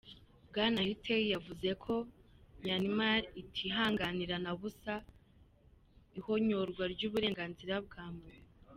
Bwana Htay yavuze ko Myanmar itihanganira na busa ihonyorwa ry'uburenganzira bwa muntu.